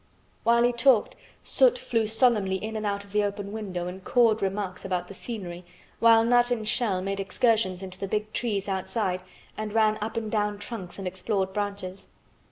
While he talked, Soot flew solemnly in and out of the open window and cawed remarks about the scenery while Nut and Shell made excursions into the big trees outside and ran up and down trunks and explored branches.